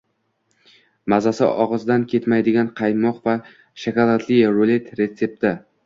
Mazasi og‘izdan ketmaydigan qaymoq va shokoladli rulet retsepti